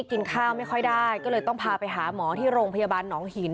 กินข้าวไม่ค่อยได้ก็เลยต้องพาไปหาหมอที่โรงพยาบาลหนองหิน